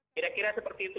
kira kira seperti itu